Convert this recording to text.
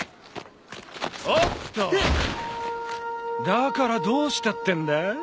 だからどうしたってんだ？